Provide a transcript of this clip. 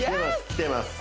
きてます